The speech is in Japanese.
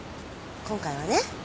今回はね。